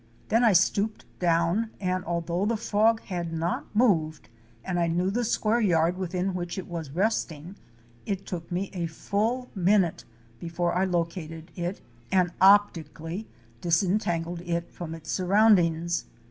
Then I stooped down and although the frog had not moved and I knew the square yard within which it was resting, it took me a full minute before I located it, and optically disen tangled it from its surroundings.